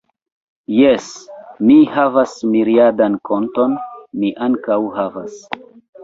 Jes, mi havas miriadan konton, mi ankaŭ havas